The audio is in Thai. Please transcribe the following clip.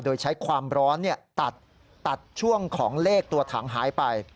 โดยใช้ความร้อนตัดช่วงของเลขตัวถังหายไป